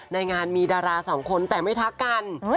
ในงานมีดาราสองคนแต่ไม่ทักกัน